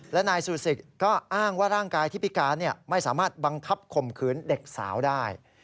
และนายสุศิกก็อ้างว่าร่างกายที่พิการไม่สามารถบังคับข่มขืนเด็กสาวได้